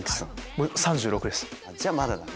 じゃあまだだね。